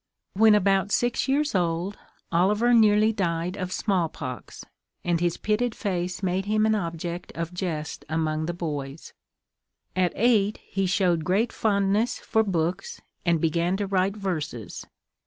When about six years old, Oliver nearly died of smallpox, and his pitted face made him an object of jest among the boys. At eight he showed great fondness for books, and began to write verses.